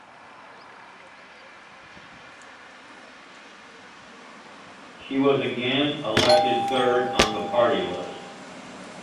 She was again elected third on the party list.